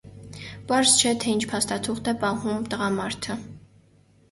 Պարզ չէ, թե ինչ փաստաթուղթ է պահում տղամարդը։